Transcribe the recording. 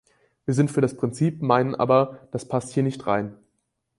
Wir sind für das Prinzip, meinen aber, das passt hier nicht rein.